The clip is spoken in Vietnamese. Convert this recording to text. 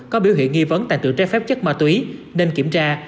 có biểu hiện nghi vấn tàn tự trái phép chất ma túy nên kiểm tra